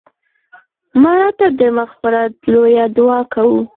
مړه ته د مغفرت لویه دعا کوو